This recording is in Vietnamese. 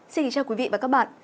xin kính chào quý vị và các bạn